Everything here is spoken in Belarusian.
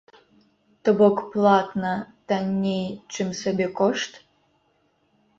То бок платна танней, чым сабекошт?